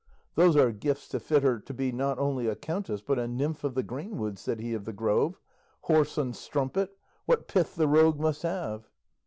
"Those are gifts to fit her to be not only a countess but a nymph of the greenwood," said he of the Grove; "whoreson strumpet! what pith the rogue must have!"